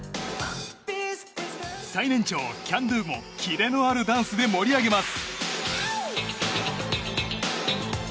最年長、ＣＡＮＤＯＯもキレのあるダンスで盛り上げます。